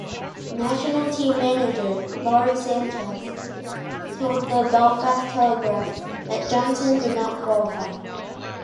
National team manager Lawrie Sanchez told the "Belfast Telegraph" that Johnson did not qualify.